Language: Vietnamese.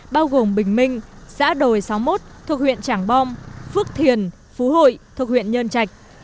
bao gồm bình minh xã đồi sáu mươi một thuộc huyện trảng bom phước thiền phú hội thuộc huyện nhơn trạch